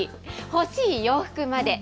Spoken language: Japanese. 欲しい洋服まで。